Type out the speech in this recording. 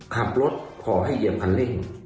ขอให้เหยียบคันเร่ง